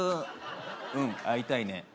「うん会いたいね」